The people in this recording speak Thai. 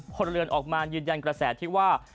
พลเรือนออกมายืนยันกระแสที่ว่า